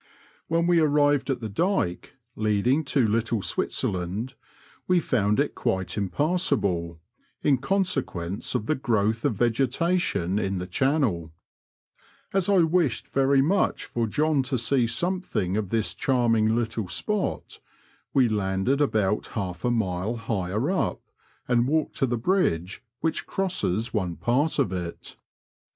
When we arrived at the dyke leading to Little Switzer land we found it quite impassable, in consequence of the growth of vegetation in the channel. As I wished very Digitized by VjOOQIC WBOXHAM BROAD TO LITTLE SWITZERLAND AND HORNING. 71 much for John to see something of this charming little spot, we landed about half a mile higher up, and walked to the bridge which crosses one part of it.